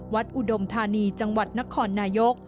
อุดมธานีจังหวัดนครนายก